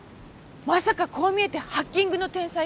まさかこう見えてハッキングの天才とか？